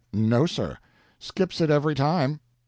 No, sir; skips it every time.